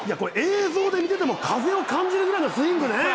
いや、これ、映像で見てても、風を感じるぐらいのスイングね。